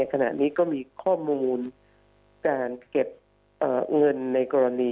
ขณะนี้ก็มีข้อมูลการเก็บเงินในกรณี